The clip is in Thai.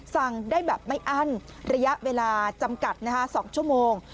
สั่งได้แบบไม่อั้นระยะเวลาจำกัด๒ชั่วโมง